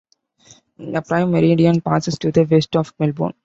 The Prime Meridian passes to the west of Melbourn.